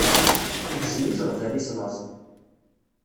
Igzem ijeɣdan-is laẓ.